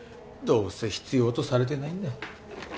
どうせ必要とされてないんだよ。